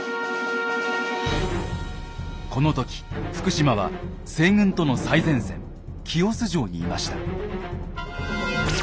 この時福島は西軍との最前線清須城にいました。